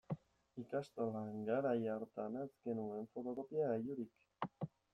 Ikastolan garai hartan ez genuen fotokopiagailurik.